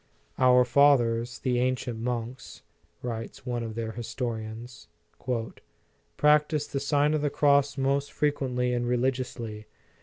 " Our fathers, the ancient monks," writes one of fheir historians, "practised the Sign of the Cross most frequently and religiously.